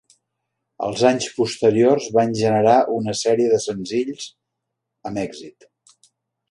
Els anys posteriors van generar una sèrie de senzills amb èxit.